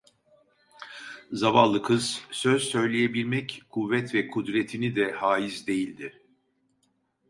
Zavallı kız söz söyleyebilmek kuvvet ve kudretini de hâiz değildi.